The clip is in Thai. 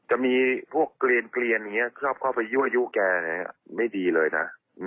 จะมีพวกเกลียนอย่างเงี้ยเข้าไปยู่แกเนี่ยไม่ดีเลยนะ